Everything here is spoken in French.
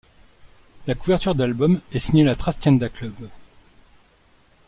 La couverture de l'album est signée La Trastienda Club.